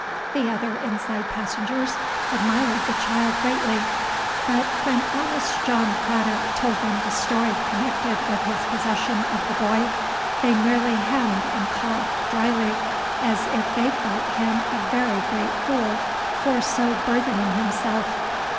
'—The other inside passengers admired the child greatly; but when honest John Craddock told them the story connected with his possession of the boy, they merely hem'd and coughed drily as if they thought him a very great fool for so burthening himself.